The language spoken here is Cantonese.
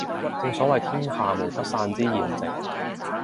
正所謂天下無不散之筵席